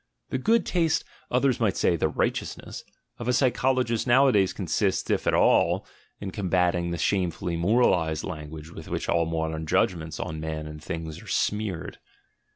The good taste (others might say, the right eousness) of a psychologist nowadays consists, if at all, in combating the shamefully moralised language with which all modern judgments on men and things are smeared.